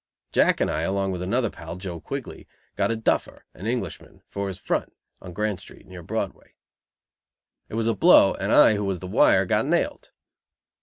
Jack and I, along with another pal, Joe Quigley, got a duffer, an Englishman, for his "front," on Grand Street, near Broadway. It was a "blow," and I, who was the "wire," got nailed.